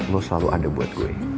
lo selalu ada buat gue